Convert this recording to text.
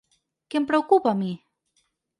Què em preocupa a mi?